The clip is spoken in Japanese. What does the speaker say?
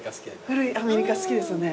古いアメリカ好きですよね。